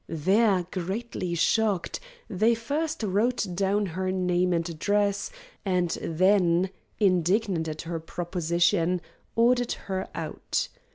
There, greatly shocked, they first wrote down her name and address, and then, indignant at her proposition, ordered her out.